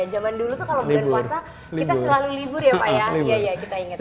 zaman dulu tuh kalau bulan puasa kita selalu libur ya pak ya